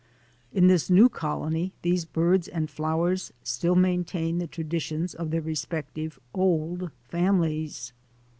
In this new colony these birds and flowers still maintain the traditions of their respective old families.